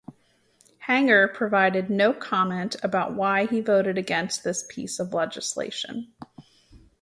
Hanger provided no comment about why he voted against this piece of legislation.